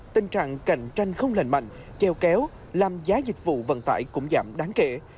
tình trạng cạnh tranh không lành mạnh cheo kéo làm giá dịch vụ vận tải cũng giảm đáng kể